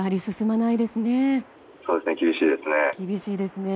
そうですね厳しいですね。